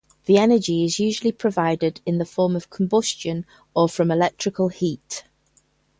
The energy is usually provided in the form of combustion or from electrical heat.